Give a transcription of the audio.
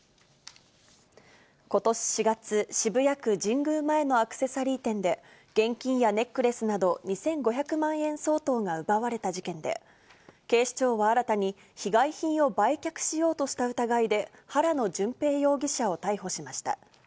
ことし４月、渋谷区神宮前のアクセサリー店で、現金やネックレスなど２５００万円相当が奪われた事件で、警視庁は新たに、被害品を売却しようとした疑いで、原野純平容疑者を逮捕しました。